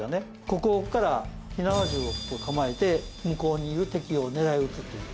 ここから火縄銃を構えて向こうにいる敵を狙い打つっていう。